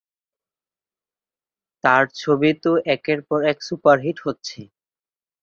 তাঁর ছবি তো একের পর এক সুপারহিট হচ্ছে।